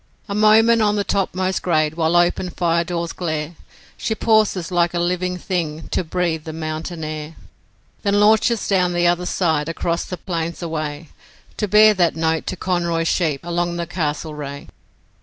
A moment on the topmost grade while open fire doors glare, She pauses like a living thing to breathe the mountain air, Then launches down the other side across the plains away To bear that note to 'Conroy's sheep along the Castlereagh'.